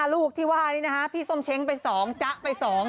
ลูกที่ว่านี่นะฮะพี่ส้มเช้งไป๒จ๊ะไป๒